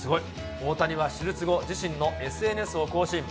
大谷は手術後、自身のＳＮＳを更新。